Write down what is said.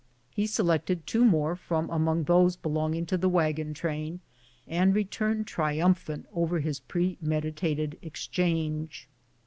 He se lected two more from among those belonging to the wagon train, and returned triumphant over his premedi tated exchange.